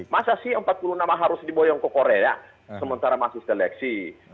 masa sih empat puluh nama harus diboyong ke korea sementara masih seleksi